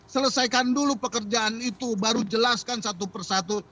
selesaikan dulu pekerjaan itu baru jelaskan satu persatu